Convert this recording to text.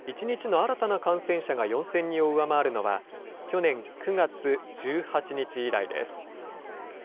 １日の新たな感染者が４０００人を上回るのは、去年９月１８日以来です。